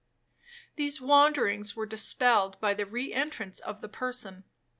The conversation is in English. These wanderings were dispelled by the re entrance of the person.